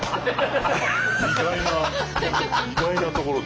意外な意外なところで。